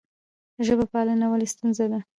ژب پالنه ولې ستونزه ده؟